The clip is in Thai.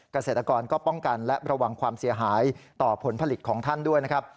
เกษตรกรก็ป้องกันและระวังความเสียหายต่อผลผลิตของท่านด้วยนะครับ